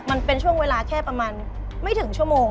มันเป็นช่วงเวลาแค่ประมาณไม่ถึงชั่วโมง